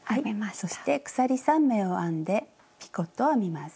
そして鎖３目を編んでピコットを編みます。